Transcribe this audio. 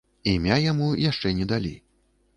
Імя яму яшчэ не далі.